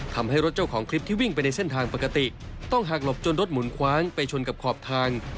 ทำให้รถเจ้าของคลิปที่วิ่งไปในเส้นทางปกติต้องหักหลบจนรถหมุนคว้างไปชนกับขอบทาง